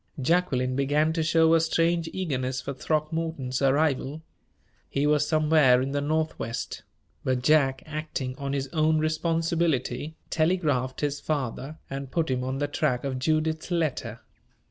Jacqueline began to show a strange eagerness for Throckmorton's arrival. He was somewhere in the Northwest; but Jack, acting on his own responsibility, telegraphed his father, and put him on the track of Judith's letter.